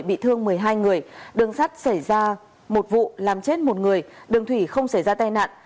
bị thương một mươi hai người đường sắt xảy ra một vụ làm chết một người đường thủy không xảy ra tai nạn